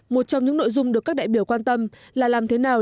một trong những nội dung được các đại biểu quan tâm là làm thế nào